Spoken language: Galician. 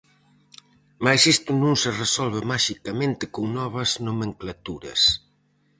Mais isto non se resolve maxicamente con novas nomenclaturas.